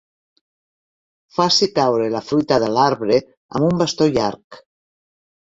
Faci caure la fruita de l'arbre amb un bastó llarg.